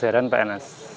saya pesiaran pns